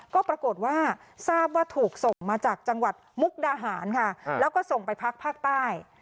ก็ปรากฏว่าทราบว่าถูกส่งมาจากจังหวัดมุกดาหารค่ะแล้วก็ส่งไปพักภาคใต้